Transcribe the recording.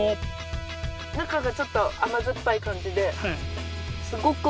中がちょっと甘酸っぱい感じで。